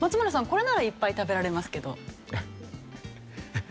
これならいっぱい食べられますけど。